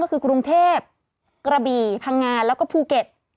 ก็คือกรุงเทพกระบี่พังงานแล้วก็ภูเก็ต